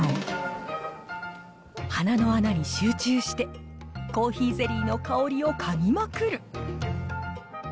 鼻の穴に集中して、コーヒーゼリーの香りを嗅ぎまくる。